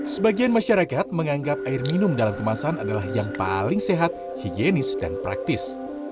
sebagian masyarakat menganggap air minum dalam kemasan adalah yang paling sehat higienis dan praktis